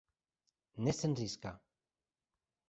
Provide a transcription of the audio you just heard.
Ne senriska!